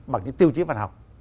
bằng những tiêu chí văn học